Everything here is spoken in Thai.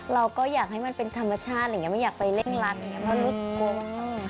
เราก็อยากให้มันเป็นธรรมชาติอย่างงี้ไม่อยากไปเร่งรักอย่างงี้